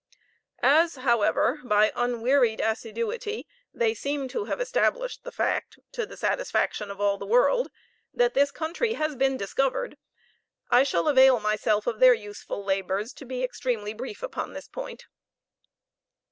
As, however, by unwearied assiduity, they seem to have established the fact, to the satisfaction of all the world, that this country has been discovered I shall avail myself of their useful labors to be extremely brief upon this point.